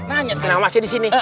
tanya kenapa masih di sini